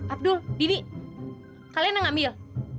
abdul dini kalian yang ngambil